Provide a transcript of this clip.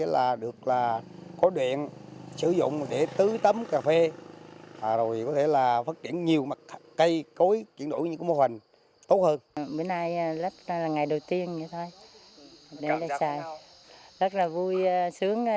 lắp là ngày đầu tiên rất là vui sướng